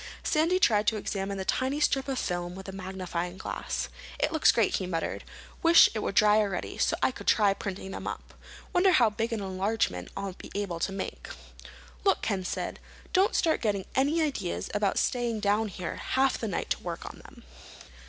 Sandy tried to examine the tiny strip of film with a magnifying glass. "It looks great," he muttered. "Wish it were dry already, so I could try printing them up. Wonder how big an enlargement I'll be able to make." "Look," Ken said, "don't start getting any ideas about staying down here half the night to work on them.